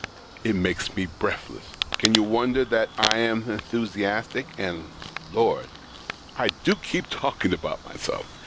It makes me breathless. Can you w^onder that I am enthusiastic and — Lord ! I do keep talking about myself.